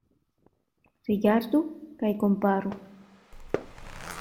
Rigardu kaj komparu.